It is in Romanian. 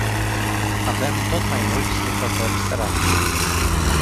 Avem tot mai mulți lucrători săraci.